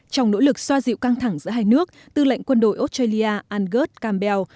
trong nỗ lực xoa dịu căng thẳng giữa hai nước tư lệnh quân đội australia angus cambell